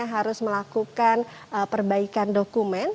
harus melakukan perbaikan dokumen